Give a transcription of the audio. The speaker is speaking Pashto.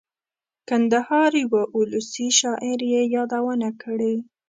کندهار یوه اولسي شاعر یې یادونه کړې.